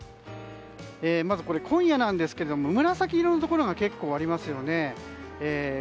まず、今夜なんですけども紫色のところが結構ありますよね。